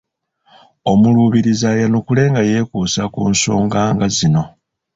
Omuluubirizi ayanukule nga yeekuusa ku nsonga nga zino: